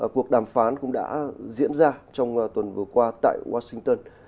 cuộc đàm phán cũng đã diễn ra trong tuần vừa qua tại washington